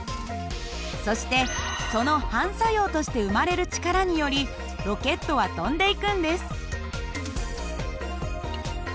そしてその反作用として生まれる力によりロケットは飛んでいくんです。